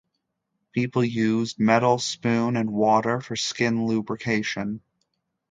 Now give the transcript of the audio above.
People used metal spoon and water for skin lubrication.